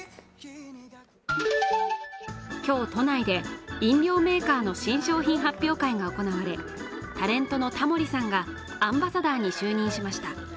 今日、都内で飲料メーカーの新商品発表会が行われタレントのタモリさんがアンバサダーに就任しました。